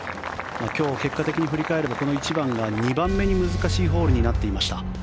今日、結果的に振り返ればこの１番が２番目に難しいホールになっていました。